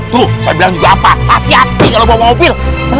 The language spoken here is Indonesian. tuh saya bilang juga apa hati hati kalau bawa mobil